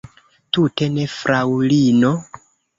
Tute ne, fraŭlino.